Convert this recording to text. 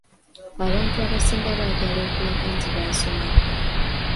Abantu abasinga baagala okulaga nti baasomako.